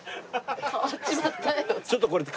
「変わっちまったよ」。